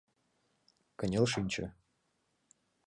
Кынел шинче.